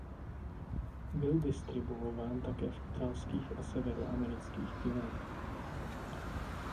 Byl distribuován také v italských a severoamerických kinech.